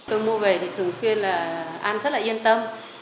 tôi mua về thì thường xuyên là ăn rất là yên tâm